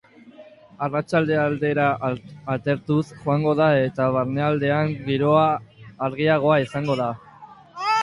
Arratsalde aldera atertuz joango da eta barnealdean giroa argiagoa izango da.